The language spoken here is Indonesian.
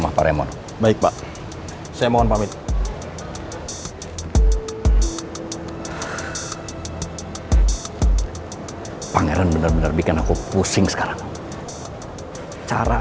saya minta kamu cari pangeran sekarang juga